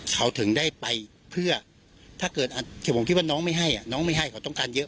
เขาถึงได้ไปเพื่อถ้าเกิดผมคิดว่าน้องไม่ให้น้องไม่ให้เขาต้องการเยอะ